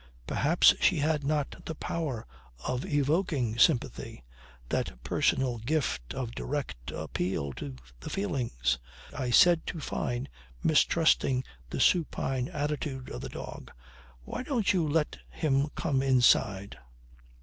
Perhaps she had not the power of evoking sympathy, that personal gift of direct appeal to the feelings. I said to Fyne, mistrusting the supine attitude of the dog: "Why don't you let him come inside?"